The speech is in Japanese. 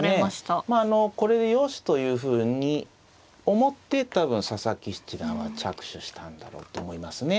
まああのこれでよしというふうに思って多分佐々木七段は着手したんだろうと思いますね。